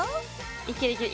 いけるいける！